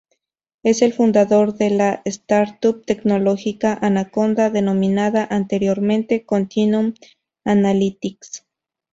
Es el fundador de la "startup" tecnológica "Anaconda", denominada anteriormente "Continuum Analytics".